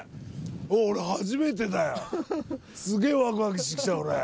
俺初めてだよすげぇワクワクしてきた俺。